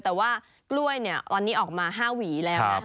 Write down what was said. แต่ว่ากล้วยเนี่ยตอนนี้ออกมา๕หวีแล้วนะ